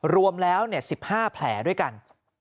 รวมแล้ว๑๕แผลด้วยกัน